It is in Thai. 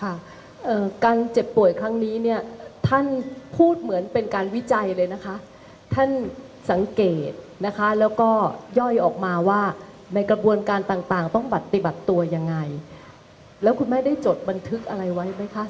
ค่ะการเจ็บป่วยครั้งนี้เนี่ยท่านพูดเหมือนเป็นการวิจัยเลยนะคะท่านสังเกตนะคะแล้วก็ย่อยออกมาว่าในกระบวนการต่างต้องปฏิบัติตัวยังไงแล้วคุณแม่ได้จดบันทึกอะไรไว้ไหมคะ